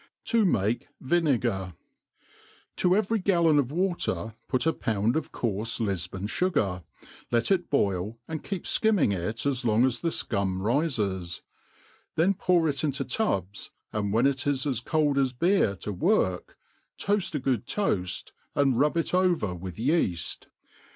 7i mahe Vinegar » TO every gallon of water put a pound of coarf*e Lifbon fu gar, , let ii boil, and keep fkimming it as long' as the fcum rifes;,then pour it into tubs, and when it is as cold as bfeer to work, t(>aft a good toaft, and rub it over with yeaft.